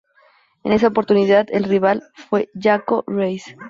En esa oportunidad el rival fue Jacó Rays.